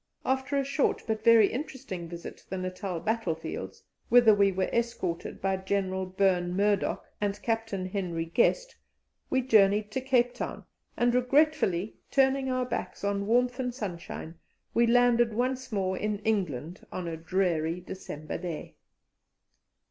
After a short but very interesting visit to the Natal battle fields, whither we were escorted by General Burn Murdoch and Captain Henry Guest, we journeyed to Cape Town, and, regretfully turning our backs on warmth and sunshine, we landed once more in England on a dreary December day.